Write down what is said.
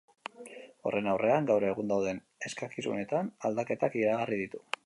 Horren aurrean, gaur egun dauden eskakizunetan aldaketak iragarri ditu.